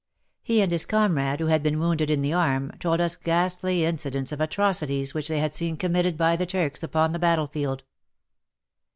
He and his comrade, who had been wounded in the arm, told us ghastly incidents of atrocities which they had seen committed by the Turks upon the battlefield.